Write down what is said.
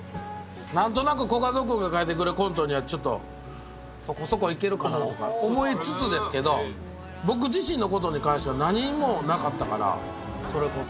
なんとなくコカド君が書いてくれるコントにはちょっとそこそこいけるかなと思いつつですけど、僕自身のことに関してはなんにもなかったから、それこそ。